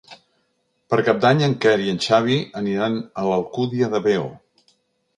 Per Cap d'Any en Quer i en Xavi aniran a l'Alcúdia de Veo.